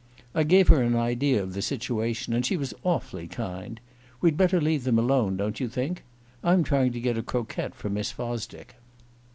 I gave her an idea of the situation, and she was awfully kind. We'd better leave them alone, don't you think? I'm trying to get a croquette for Miss Fosdick."